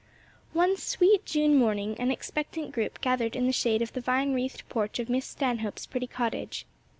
ONE sweet June morning an expectant group gathered in the shade of the vine wreathed porch of Miss Stanhope's pretty cottage.